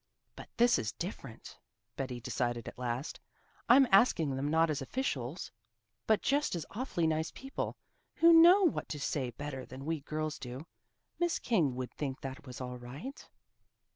"But this is different," Betty decided at last. "I'm asking them not as officials, but just as awfully nice people, who know what to say better than we girls do. Miss King would think that was all right."